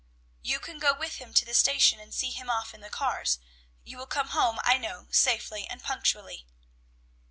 "You can go with him to the station, and see him off in the cars. You will come home, I know, safely and punctually."